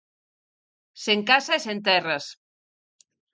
Sen casa e sen terras.